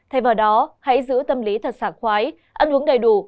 thay vào đó hãy giữ tâm lý thật sảng khoái ăn uống đầy đủ